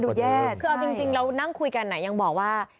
แย่คือเอาจริงเรานั่งคุยกันยังบอกว่า